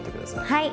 はい。